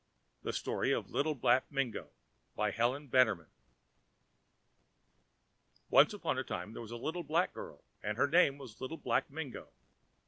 The Story of Little Black Mingo Once upon a time there was a little black girl, and her name was Little Black Mingo.